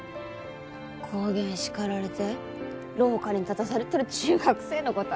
こげん叱られて廊下に立たされとる中学生のごたあ